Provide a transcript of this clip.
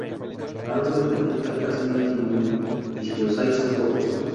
Árboles de fruta casi no hay ninguno, y si los hay son pocos.